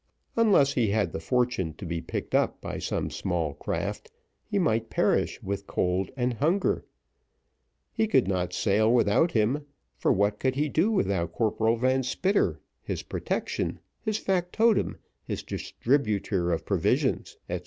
Unless he had the fortune to be picked up by some small craft, he might perish with cold and hunger. He could not sail without him; for what could he do without Corporal Van Spitter, his protection, his factotum, his distributer of provisions, &c.